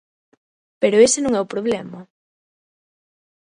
Pero ese non é o problema.